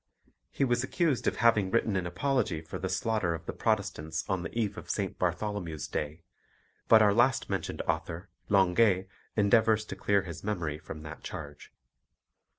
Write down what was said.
He was accused of having written an apology for the slaughter of the Protestants on the eve of St. Bartholomew's Day, but our last mentioned author, Linguet, endeavours to clear his memory from that charge.